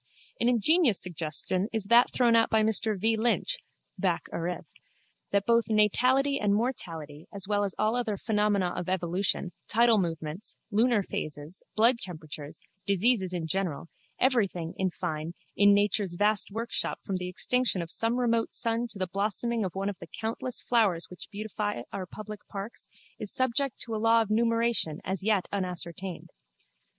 An ingenious suggestion is that thrown out by Mr V. Lynch (Bacc. Arith.) that both natality and mortality, as well as all other phenomena of evolution, tidal movements, lunar phases, blood temperatures, diseases in general, everything, in fine, in nature's vast workshop from the extinction of some remote sun to the blossoming of one of the countless flowers which beautify our public parks is subject to a law of numeration as yet unascertained.